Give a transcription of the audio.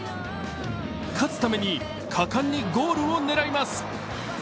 勝つために果敢にゴールを狙います。